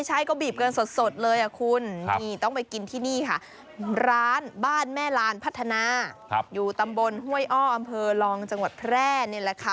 ใช่ก็บีบกันสดเลยอ่ะคุณนี่ต้องไปกินที่นี่ค่ะร้านบ้านแม่ลานพัฒนาอยู่ตำบลห้วยอ้ออำเภอลองจังหวัดแพร่นี่แหละค่ะ